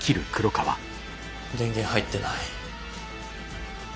電源入ってない。